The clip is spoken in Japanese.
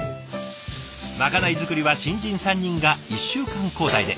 まかない作りは新人３人が１週間交代で。